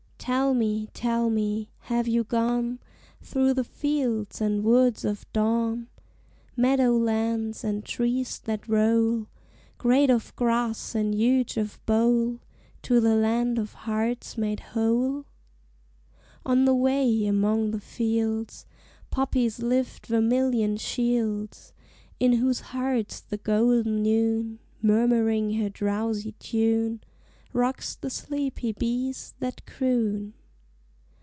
Tell me, tell me, have you gone Through the fields and woods of dawn, Meadowlands and trees that roll, Great of grass and huge of bole, To the Land of Hearts Made Whole? On the way, among the fields, Poppies lift vermilion shields, In whose hearts the golden Noon, Murmuring her drowsy tune, Rocks the sleepy bees that croon.